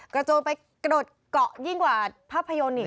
โจรไปกระโดดเกาะยิ่งกว่าภาพยนตร์อีก